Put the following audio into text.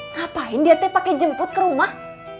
ngapain dia teh pake jemput ke rumah